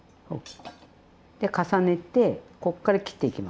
で重ねてこっから切っていきます。